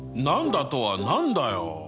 「何だ」とは何だよ！